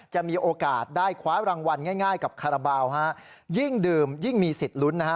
จะมีโอกาสได้คว้ารางวัลง่ายกับคาราบาลฮะยิ่งดื่มยิ่งมีสิทธิ์ลุ้นนะฮะ